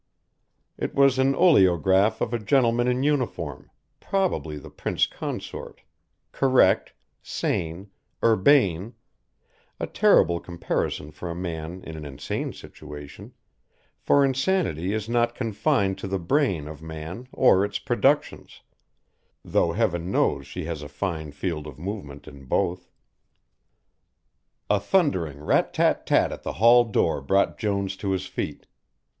It was an oleograph of a gentleman in uniform, probably the Prince Consort, correct, sane, urbane a terrible comparison for a man in an insane situation, for insanity is not confined to the brain of man or its productions though heaven knows she has a fine field of movement in both. A thundering rat tat tat at the hall door brought Jones to his feet.